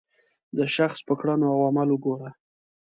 د شخص په کړنو او عمل وګوره.